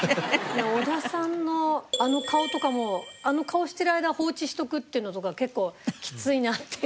織田さんのあの顔とかもあの顔してる間放置しとくっていうのとか結構きついなっていう。